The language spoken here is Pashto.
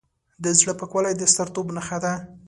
د زړه پاکوالی د سترتوب نښه ده.